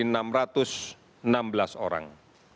sehingga jumlahnya menjadi enam empat ratus enam belas orang